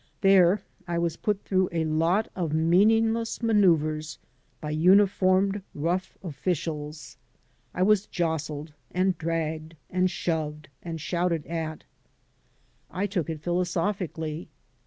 There I was put through a lot of meaningless manceuvers by imif ormed, rough officials. I was jostled and dragged and shoved and shouted at. 61 AN AMERICAN IN THE MAKING I took it philosophically.